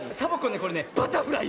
これねバタフライよ。